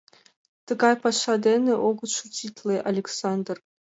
— Тыгай паша дене огыт шутитле, Александр.